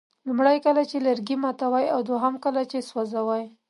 لومړی کله چې لرګي ماتوئ او دوهم کله چې سوځوئ.